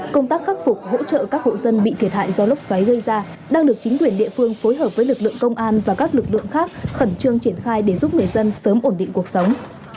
công tác khắc phục hỗ trợ các hộ dân bị thiệt hại do lốc xoáy gây ra đang được chính quyền địa phương phối hợp với lực lượng công an và các lực lượng khác khẩn trương triển khai để giúp người dân sớm ổn định cuộc sống